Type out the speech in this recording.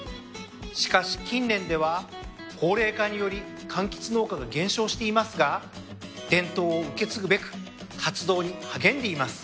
しかし近年では高齢化によりかんきつ農家が減少していますが伝統を受け継ぐべく活動に励んでいます。